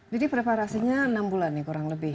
jadi preparasinya enam bulan ya kurang lebih